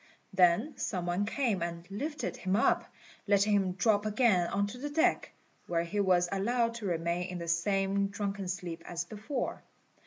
Then some one came and lifted him up, letting him drop again on to the deck, where he was allowed to remain in the same drunken sleep as before.